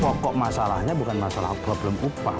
pokok masalahnya bukan masalah apa belum upah